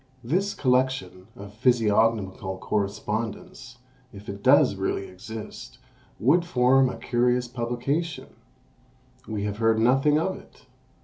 This collection of physiognomical correspondence, if it does really exist, would form a curious publication; we have heard nothing of it!